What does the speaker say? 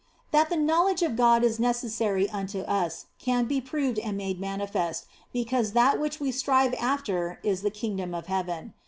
That the knowledge of God is necessary unto us can be proved and made manifest, because that which we strive OF FOLIGNO 41 after is the Kingdom of Heaven.